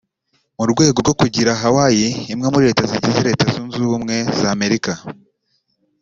mu rwego rwo kugira Hawaii imwe muri Leta zigize Leta zunze ubumwe za Amerika